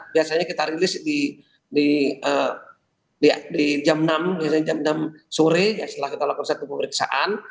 biasanya kita rilis di jam enam biasanya jam enam sore setelah kita lakukan satu pemeriksaan